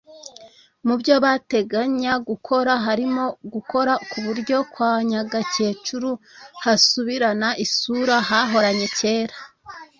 Mu byo bateganya gukora harimo gukora ku buryo Kwa Nyagakecuru hasubirana isura hahoranye kera